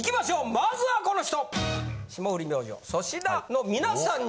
まずはこの人。